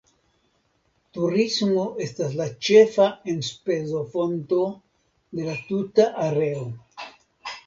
Turismo estas la ĉefa enspezofonto de la tuta areo.